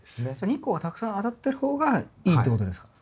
日光がたくさん当たってる方がいいってことですか？